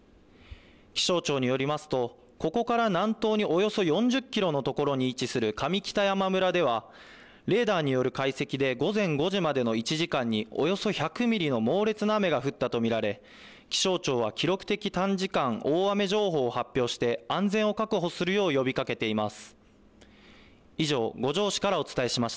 気象庁によりますと、ここから南東におよそ４０キロの所に位置する上北山村では、レーダーによる解析で午前５時までの１時間におよそ１００ミリの猛烈な雨が降ったと見られ、気象庁は記録的短時間大雨情報を発表して、安全を確保するよう呼びかけています。